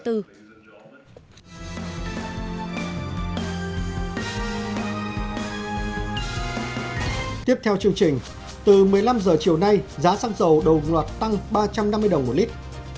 tiếp theo chương trình từ một mươi năm h chiều nay giá xăng dầu đồng loạt tăng ba trăm năm mươi đồng một lít